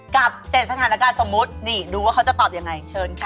กับเจสถานการณ์สมมติเจนเลยจะตอบอย่างไร